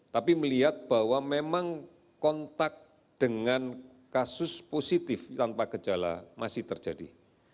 tapi melihat bahwa memang kontak dengan kasus positif tanpa gejala masih terjadi